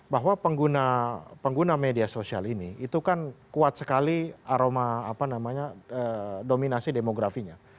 bahwa pengguna media sosial ini itu kan kuat sekali aroma apa namanya dominasi demografinya